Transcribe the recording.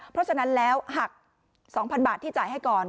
เพราะฉะนั้นแล้วหัก๒๐๐๐บาทที่จ่ายให้ก่อน